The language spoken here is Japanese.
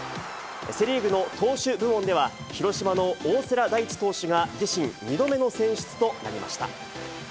セ・リーグの投手部門では、広島の大瀬良大地投手が自身２度目の選出となりました。